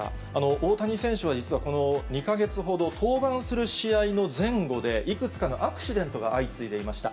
大谷選手は実は、この２か月ほど、登板する試合の前後で、いくつかのアクシデントが相次いでいました。